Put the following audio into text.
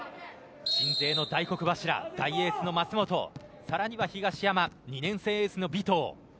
鎮西の大黒柱、大エースの舛本さらには東山２年生エースの尾藤。